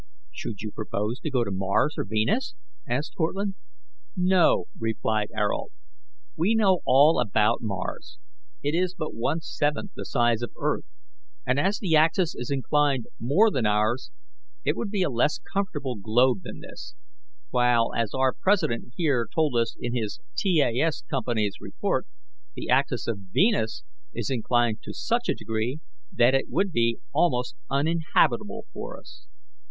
"Should you propose to go to Mars or Venus?" asked Cortlandt. "No," replied Ayrault, "we know all about Mars; it is but one seventh the size of the earth, and as the axis is inclined more than ours, it would be a less comfortable globe than this; while, as our president here told us in his T. A. S. Company's report, the axis of Venus is inclined to such a degree that it would be almost uninhabitable for us.